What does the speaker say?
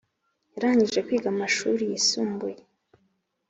Yarangije kwiga amashuri yisumbuye